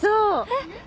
えっ？